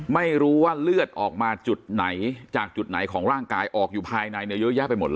ไม่รู้ว่าเลือดออกมาจุดไหนจากจุดไหนของร่างกายออกอยู่ภายในเนี่ย